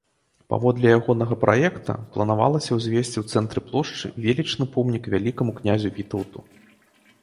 Паводле ягонага праекта планавалася ўзвесці ў цэнтры плошчы велічны помнік Вялікаму Князю Вітаўту.